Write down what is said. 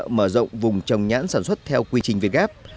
đầu tư hỗ trợ mở rộng vùng trồng nhãn sản xuất theo quy trình vietgap